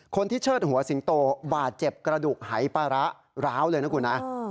คนที่เชิดหัวสิงโตบาดเจ็บกระดูกหายประร้าวเลยนะคุณ